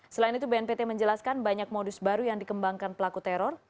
selain itu bnpt menjelaskan banyak modus baru yang dikembangkan pelaku teror